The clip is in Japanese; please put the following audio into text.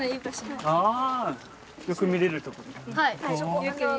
あよく見れるところ。